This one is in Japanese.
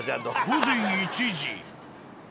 午前１時。